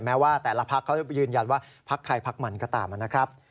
แม้ว่าแต่ละภาคจะยืนยันว่าภาคใครภาคมันก็ตามนะครับ